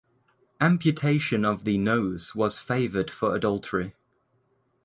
Amputation of the nose was favored for adultery.